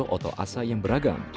film oto asa yang beragam